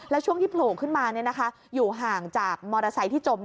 แล้วช่วงที่โผล่ขึ้นมาอยู่ห่างจากมอเตอร์ไซค์ที่จม